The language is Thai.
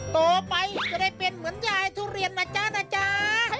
โตไปจะได้เป็นเหมือนย่ายทุเรียนน่ะจ้าจ้า